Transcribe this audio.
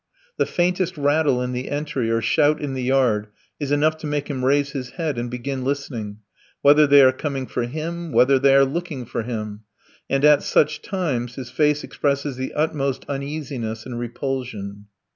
The faintest rustle in the entry or shout in the yard is enough to make him raise his head and begin listening: whether they are coming for him, whether they are looking for him. And at such times his face expresses the utmost uneasiness and repulsion.